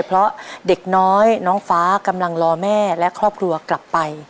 เพราะเด็กน้อยน้องฟ้ากำลังรอแม่และครอบครัวกลับไป